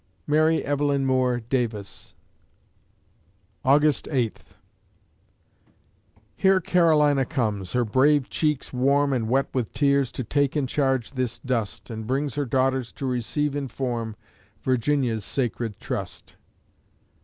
MARY EVELYN MOORE DAVIS August Eighth Here Carolina comes, her brave cheeks warm And wet with tears, to take in charge this dust, And brings her daughters to receive in form Virginia's sacred trust.